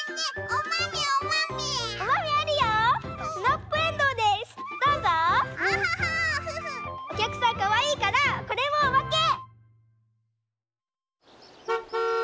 おきゃくさんかわいいからこれもおまけ！